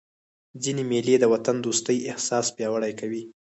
ځيني مېلې د وطن دوستۍ احساس پیاوړی کوي.